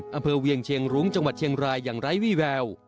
อำเภอเวียงเชียงรุ้งจังหวัดเชียงรายอย่างไร้วี่แวว